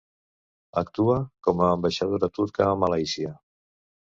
Actua com a ambaixadora turca a Malàisia.